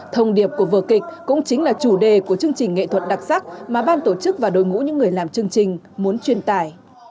thông điệp của vở kịch cũng chính là chủ đề của chương trình nghệ thuật đặc sắc mà ban tổ chức và đội ngũ những người làm chương trình muốn truyền tải